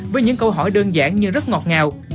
với những câu hỏi đơn giản như rất ngọt ngào